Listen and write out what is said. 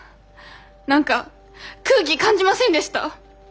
何か空気感じませんでした？